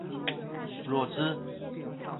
弱智？